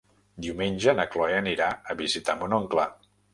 Diumenge na Chloé anirà a visitar mon oncle.